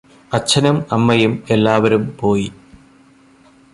അച്ഛനും അമ്മയും എല്ലാവരും പോയി